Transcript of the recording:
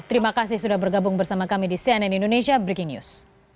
terima kasih sudah bergabung bersama kami di cnn indonesia breaking news